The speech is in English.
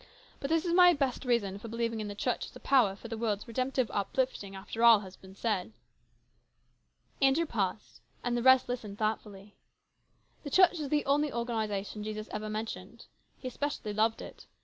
But this is my best reason for believing in the Church as a power for the world's redemptive uplifting after all else has been said." Andrew paused, and the rest listened, thoughtfully. " The Church is the only organisation Jesus ever mentioned. He especially loved it.